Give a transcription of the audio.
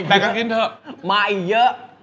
แต่กับกินเถอะไม่อะ